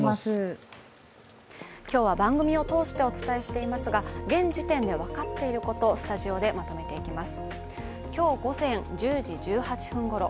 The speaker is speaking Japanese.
今日は番組を通してお伝えしていますが、現時点で分かっていること、スタジオでまとめていきます。